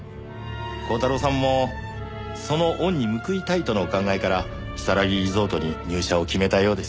光太郎さんもその恩に報いたいとのお考えから如月リゾートに入社を決めたようです。